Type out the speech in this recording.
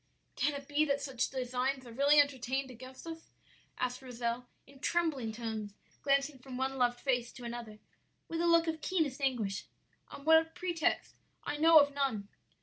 "'Can it be that such designs are really entertained against us?' asked Rozel, in trembling tones, glancing from one loved face to another with a look of keenest anguish. 'On what pretext? I know of none.'